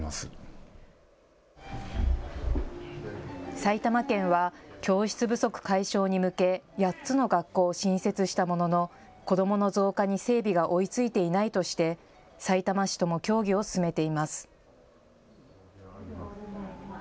埼玉県は教室不足解消に向け８つの学校を新設したものの子どもの増加に整備が追いついていないとしてさいたま市とも協議を進めています。